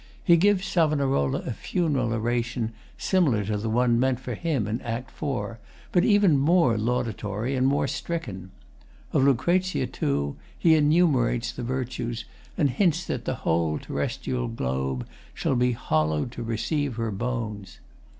He gives SAV. a funeral oration similar to the one meant for him in Act IV, but even more laudatory and more stricken. Of LUC., too, he enumerates the virtues, and hints that the whole terrestrial globe shall be hollowed to receive her bones.